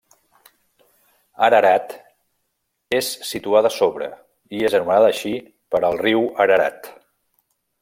Ararat és situada sobre, i és anomenada així per, el riu Ararat.